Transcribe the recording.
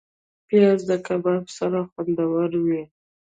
پیاز د کباب سره خوندور وي